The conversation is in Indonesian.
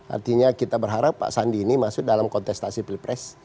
artinya kita berharap pak sandi ini masuk dalam kontestasi pilpres